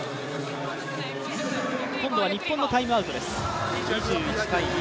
今度は日本のタイムアウトです。